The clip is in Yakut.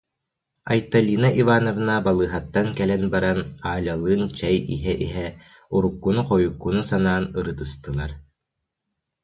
Айталина Ивановна балыыһаттан кэлэн баран Алялыын чэй иһэ-иһэ, уруккуну-хойуккуну санаан, ырытыстылар